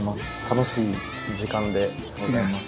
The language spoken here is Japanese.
楽しい時間でございます。